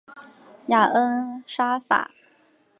雅恩莎撒。